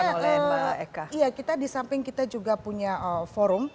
ya kita di samping kita juga punya forum